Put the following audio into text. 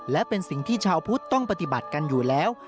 และเป็นสิ่งที่ชาวพุทธต้องปฏิบัติกันอยู่แล้ว